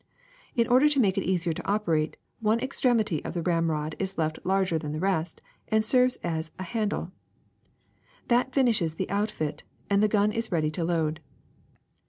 In order to make it easier to operate, one extremity of the ramrod is left larger than the rest and serves as handle. That finishes the outfit, and the gun is ready to load.